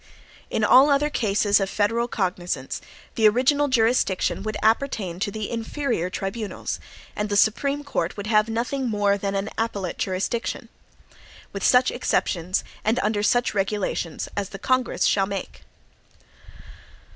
In all other cases of federal cognizance, the original jurisdiction would appertain to the inferior tribunals; and the Supreme Court would have nothing more than an appellate jurisdiction, "with such exceptions and under such regulations as the Congress shall make."